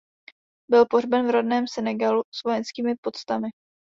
Byl pohřben v rodném Senegalu s vojenskými poctami.